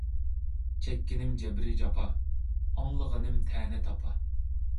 چەككىنىم جەبر-جاپا، ئاڭلىغىنىم تەنە – تاپا